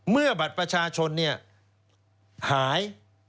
เมื่อบัตรประชาชนหาย